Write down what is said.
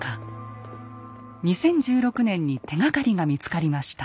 ２０１６年に手がかりが見つかりました。